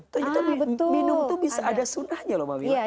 ternyata minum itu bisa ada sunnahnya loh mawiyah